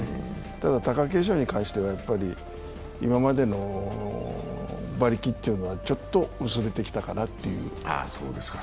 ただ、貴景勝に関しては今までの馬力がちょっと薄れてきたかなという。